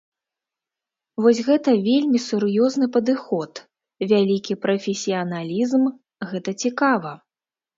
Вось гэта вельмі сур'ёзны падыход, вялікі прафесіяналізм, гэта цікава.